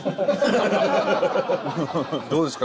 どうですか？